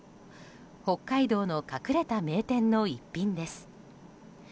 北海道の隠れた名店の一品です。